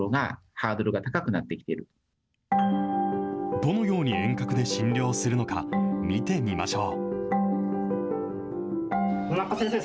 どのように遠隔で診療するのか見てみましょう。